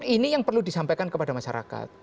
ini yang perlu disampaikan kepada masyarakat